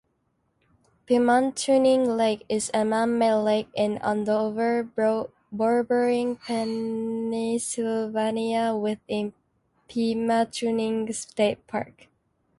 Pymatuning Lake is a man-made lake in Andover bordering Pennsylvania within Pymatuning State Park.